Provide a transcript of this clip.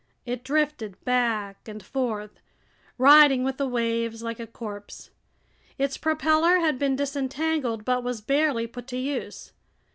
It drifted back and forth, riding with the waves like a corpse. Its propeller had been disentangled but was barely put to use.